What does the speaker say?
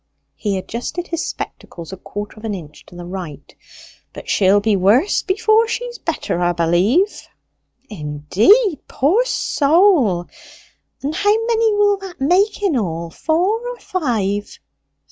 He adjusted his spectacles a quarter of an inch to the right. "But she'll be worse before she's better, 'a b'lieve." "Indeed poor soul! And how many will that make in all, four or five?"